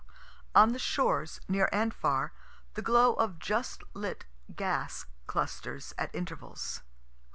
On the shores, near and far, the glow of just lit gas clusters at intervals.